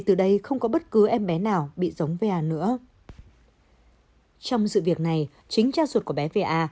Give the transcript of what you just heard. từ đây không có bất cứ em bé nào bị giống v a nữa trong sự việc này chính cha ruột của bé v a